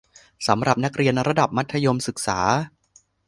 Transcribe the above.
สำหรับนักเรียนระดับมัธยมศึกษา